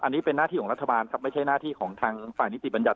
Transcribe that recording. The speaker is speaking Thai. อันนี้เป็นหน้าที่ของรัฐบาลครับไม่ใช่หน้าที่ของทางฝ่ายนิติบัญญัติ